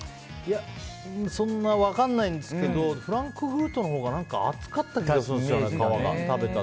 そんな分かんないんですけどフランクフルトのほうが厚かった気がするんですよ、皮が。